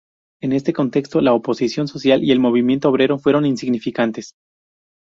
En este contexto, la oposición social y el movimiento obrero fueron insignificantes.